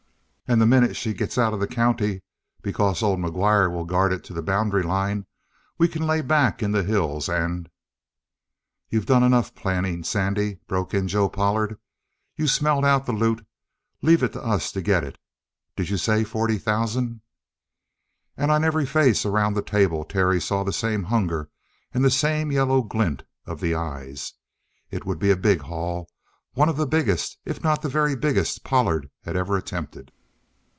And the minute she gets out of the county because old McGuire will guard it to the boundary line we can lay back in the hills and " "You done enough planning, Sandy," broke in Joe Pollard. "You've smelled out the loot. Leave it to us to get it. Did you say forty thousand?" And on every face around the table Terry saw the same hunger and the same yellow glint of the eyes. It would be a big haul, one of the biggest, if not the very biggest, Pollard had ever attempted.